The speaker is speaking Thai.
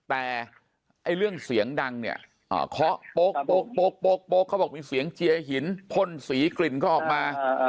แต่เรื่องเสียงดังเนี่ยเคาะโป๊กเขาบอกมีเสียงเจียหินพ่นสีกลิ่นเขาออกมา